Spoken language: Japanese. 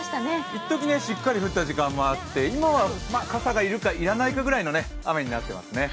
一時しっかり降った時間もあって、今は傘がいるかいらないかくらいの雨になっていますね。